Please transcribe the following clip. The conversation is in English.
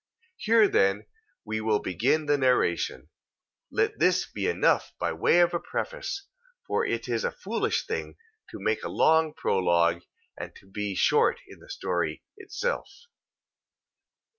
2:33. Here then we will begin the narration: let this be enough by way of a preface: for it is a foolish thing to make a long prologue, and to be short in the story itself.